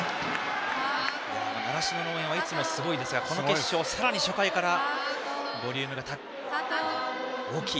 習志野の応援はいつもすごいですがさらに初回からボリュームが大きい。